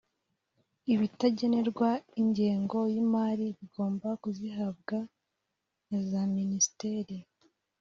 ibitagenerwa ingengo y imari bigomba kuzihabwa na za minisiteri